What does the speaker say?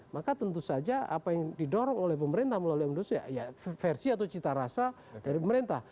maka tentu saja apa yang didorong oleh pemerintah melalui industri ya versi atau cita rasa dari pemerintah